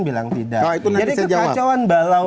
bilang tidak jadi kekacauan